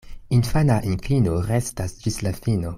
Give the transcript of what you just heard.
Infana inklino restas ĝis la fino.